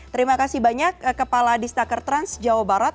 terima kasih banyak kepala distaker trans jawa barat